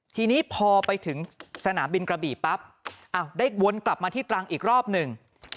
ทีนี้พอไปถึงสนามบินกระบี่ปั๊บได้วนกลับมาที่ตรังอีกรอบหนึ่ง